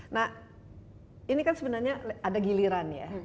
nah ini kan sebenarnya ada giliran ya